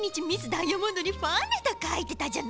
・ダイヤモンドにファンレターかいてたじゃないの。